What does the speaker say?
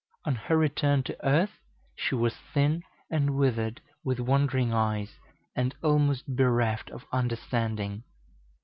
On her return to earth she was thin and withered, with wandering eyes, and almost bereft of understanding.